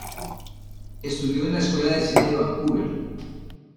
Estudió en la Escuela de Cine de Vancouver.